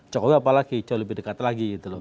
jauh lebih dekat lagi